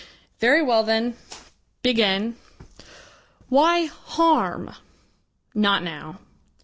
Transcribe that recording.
"Very well then. Begin. Why harm?" "Not now."